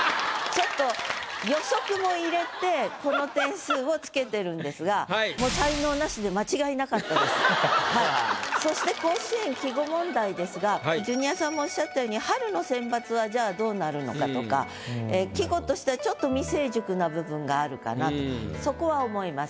ちょっと予測も入れてこの点数を付けてるんですがもうそして甲子園季語問題ですがジュニアさんもおっしゃったように季語としてはちょっと未成熟な部分があるかなとそこは思います。